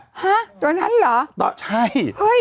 ฮะตัวนั้นเหรอใช่